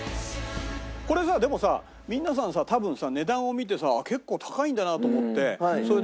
これでも皆さん多分値段を見て結構高いんだなと思ってそれで。